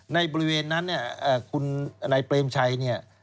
ในบริเวณนั้นคุณนายเปรมชัย